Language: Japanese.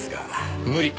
無理。